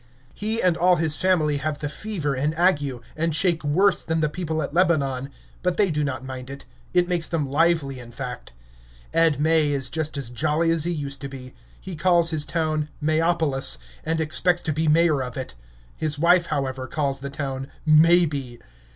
He and all his family have the fever and ague, and shake worse than the people at Lebanon; but they do not mind it; it makes them lively, in fact. Ed May is just as jolly as he used to be. He calls his town Mayopolis, and expects to be mayor of it; his wife, however, calls the town Maybe.